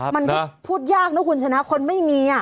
มันก็พูดยากนะคุณชนะคนไม่มี